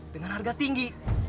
dengan harga tinggi